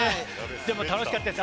でも楽しかったです。